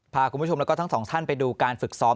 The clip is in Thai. พาคุณผู้ชมแล้วก็ทั้งสองท่านไปดูการฝึกซ้อม